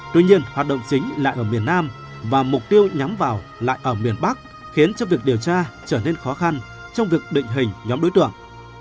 tuy nhiên hoạt động chính lại ở miền nam và mục tiêu nhắm vào lại ở miền bắc khiến cho việc điều tra trở nên khó khăn trong việc định hình nhóm đối tượng